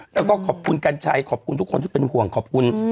แล้วก็ขอบคุณกัญชัยขอบคุณทุกคนที่เป็นห่วงขอบคุณ